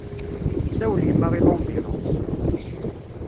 Tessawel yemma i lambilanṣ.